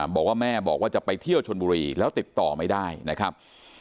บอกว่าแม่บอกว่าจะไปเที่ยวชนบุรีแล้วติดต่อไม่ได้นะครับ